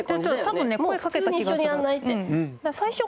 多分ね声かけた気がする。